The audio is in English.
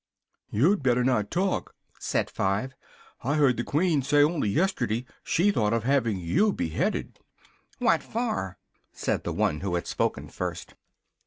"You'd better not talk!" said Five, "I heard the Queen say only yesterday she thought of having you beheaded!" "What for?" said the one who had spoken first.